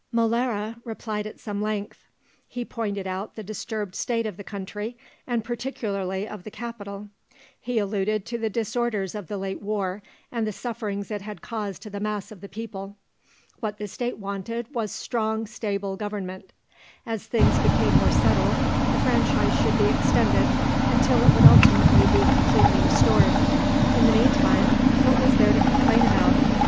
Molara replied at some length. He pointed out the disturbed state of the country, and particularly of the capital; he alluded to the disorders of the late war and the sufferings it had caused to the mass of the people. What the State wanted was strong stable government. As things became more settled the franchise should be extended until it would ultimately be completely restored. In the meanwhile, what was there to complain about?